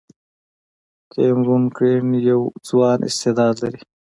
کیمرون ګرین یو ځوان استعداد لري.